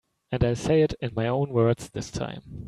And I'll say it in my own words this time.